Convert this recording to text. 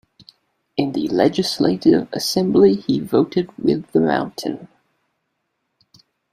In the Legislative Assembly he voted with the Mountain.